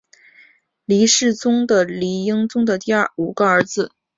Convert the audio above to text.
黎世宗是黎英宗的第五个儿子。